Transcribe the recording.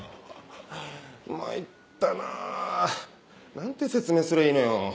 まいったな何て説明すりゃいいのよ。